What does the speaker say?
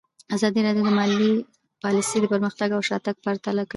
ازادي راډیو د مالي پالیسي پرمختګ او شاتګ پرتله کړی.